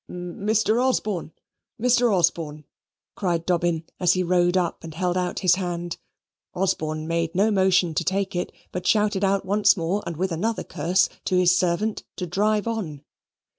"Mr. Osborne, Mr. Osborne!" cried Dobbin, as he rode up and held out his hand. Osborne made no motion to take it, but shouted out once more and with another curse to his servant to drive on.